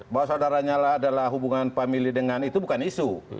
bahwa saudara nyala adalah hubungan famili dengan itu bukan isu